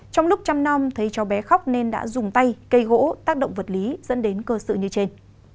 trong lúc trăm năm thấy cháu bé khóc nên đã dùng tay cây gỗ tác động vật lý dẫn đến cơ sự như trên